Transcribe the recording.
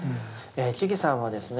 智さんはですね